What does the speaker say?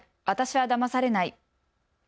私はだまされない。